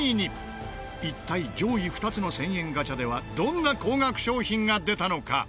一体上位２つの１０００円ガチャではどんな高額商品が出たのか？